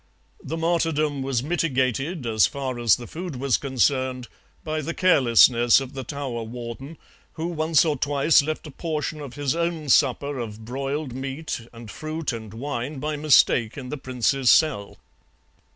The martyrdom was mitigated, as far as the food was concerned, by the carelessness of the tower warden, who once or twice left a portion of his own supper of broiled meat and fruit and wine by mistake in the prince's cell.